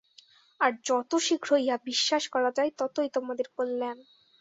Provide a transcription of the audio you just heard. আর যত শীঘ্র ইহা বিশ্বাস করা যায়, ততই তোমাদের কল্যাণ।